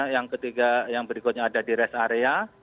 yang ketiga yang berikutnya ada di rest area